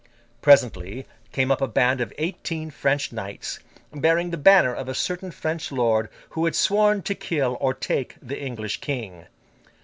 Presently, came up a band of eighteen French knights, bearing the banner of a certain French lord, who had sworn to kill or take the English King.